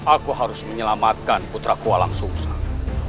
aku harus menyelamatkan putra ku alam susah